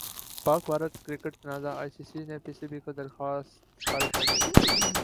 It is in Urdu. پاک بھارت کرکٹ تنازع ائی سی سی نے پی سی بی کی درخواست خارج کردی